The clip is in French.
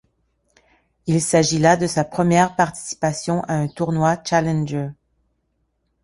Il s'agit là de sa première participation à un tournoi Challenger.